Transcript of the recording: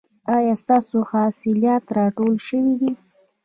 ایا ستاسو حاصلات راټول شوي دي؟